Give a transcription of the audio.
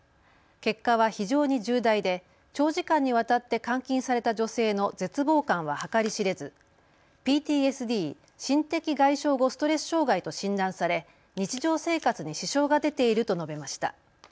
結果は非常に重大で長時間にわたって監禁された女性の絶望感は計り知れずＰＴＳＤ・心的外傷後ストレス障害と診断され、日常生活に支障が出ていると述べました。